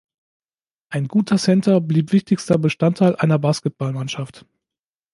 Ein guter Center blieb wichtigster Bestandteil einer Basketballmannschaft.